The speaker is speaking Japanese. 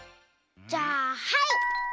じゃあはい！